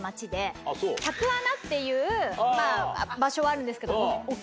百穴っていう場所はあるんですけど。